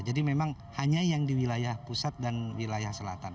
jadi memang hanya yang di wilayah pusat dan wilayah selatan